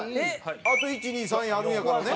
あと１２３位あるんやからね。